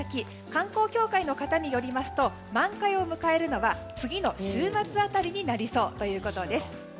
観光協会の方によりますと満開を迎えるのは次の週末辺りになりそうということです。